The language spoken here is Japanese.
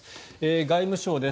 外務省です。